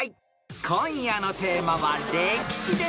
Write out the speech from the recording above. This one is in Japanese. ［今夜のテーマは歴史です］